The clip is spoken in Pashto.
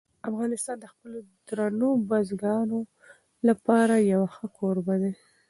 افغانستان د خپلو درنو بزګانو لپاره یو ښه کوربه دی.